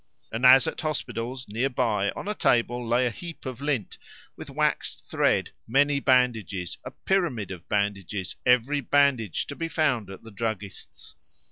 And as at hospitals, near by on a table lay a heap of lint, with waxed thread, many bandages a pyramid of bandages every bandage to be found at the druggist's.